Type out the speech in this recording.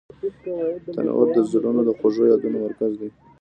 تنور د زړونو د خوږو یادونو مرکز دی